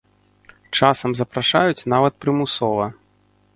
Часам запрашаюць нават прымусова.